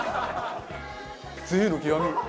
贅の極み。